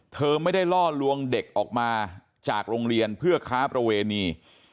เธอไม่ได้ล่อลวงเด็กออกมาจากโรงเรียนเพื่อค้าประเวณี